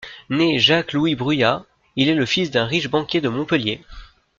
Né Jacques Louis Bruyas, il est le fils d'un riche banquier de Montpellier.